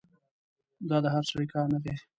دا د هر سړي کار نه دی.